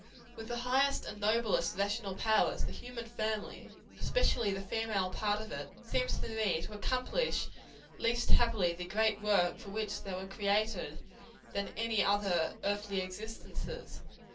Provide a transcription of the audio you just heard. With the highest and noblest rational powers, the human family especially the female part of it seems to me to accomplish least happily the great work for which they were created, than any other earthly existences.